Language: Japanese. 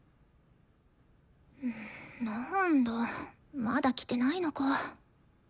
なんだまだ来てないのか。